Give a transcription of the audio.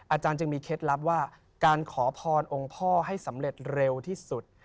อาจารย์จึงมีเคล็ดลับว่าการขอพรองค์พ่อให้สำเร็จเร็วที่สุด